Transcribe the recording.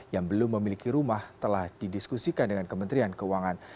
yang belum memiliki rumah telah didiskusikan dengan kementerian keuangan